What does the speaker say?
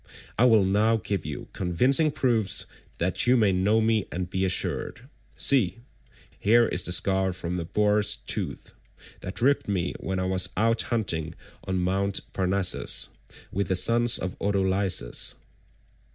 I will now give you convincing proofs that you may know me and be assured. See, here is the scar from the boar's tooth that ripped me when I was out hunting on Mt. Parnassus with the sons of Autolycus."